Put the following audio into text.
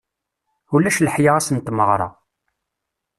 Ulac leḥya ass n tmeɣra.